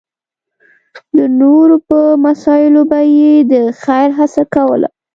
د نورو په مسایلو به یې د خېر هڅه کوله.